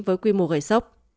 với quy mô gầy sốc